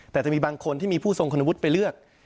แต่จะมีบางคนที่มีผู้ทรงคุณวุฒิไปเลือก